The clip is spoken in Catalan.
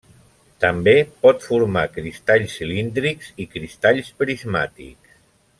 També pot formar cristalls cilíndrics i cristalls prismàtics.